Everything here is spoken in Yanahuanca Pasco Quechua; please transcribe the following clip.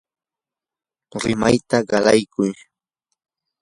rimayta qalaykuy.